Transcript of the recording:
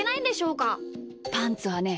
パンツはね